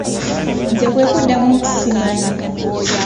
Nze kwe kumuddamu nti simanyi.